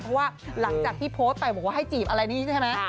พอหลังจากที่โพสต์มีให้จีบอะไรนี้ใช่มั้ย